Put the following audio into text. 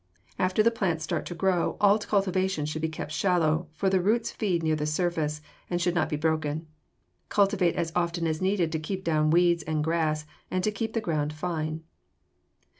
After the plants start to grow, all cultivation should be shallow, for the roots feed near the surface and should not be broken. Cultivate as often as needed to keep down weeds and grass and to keep the ground fine.